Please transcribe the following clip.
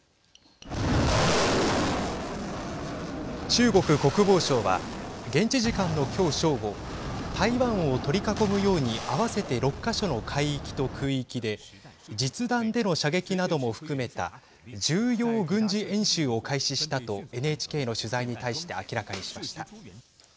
中国国防省は現地時間の今日、正午台湾を取り囲むように合わせて６か所の海域と空域で実弾での射撃なども含めた重要軍事演習を開始したとＮＨＫの取材に対して明らかにしました。